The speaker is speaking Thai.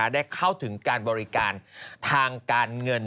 ได้เข้าถึงการบริการทางการเงิน